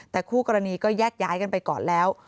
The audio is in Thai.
แต่คู่กรณีก็แยกย้ายกันไปก่อนแล้ว